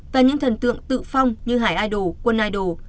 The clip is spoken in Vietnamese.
và những thần tượng tự phong như hải idol quân idol